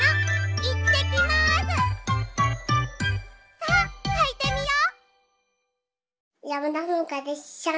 さあはいてみよう！